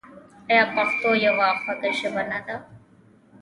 آیا پښتو یوه خوږه ژبه نه ده؟